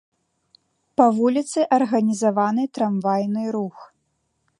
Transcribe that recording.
Па вуліцы арганізаваны трамвайны рух.